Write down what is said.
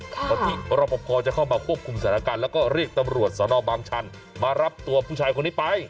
ก่อนที่รอปภจะเข้ามาควบคุมสถานการณ์แล้วก็เรียกตำรวจสนบางชันมารับตัวผู้ชายคนนี้ไป